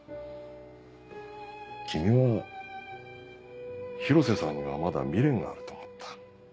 君は広瀬さんがまだ未練があると思った。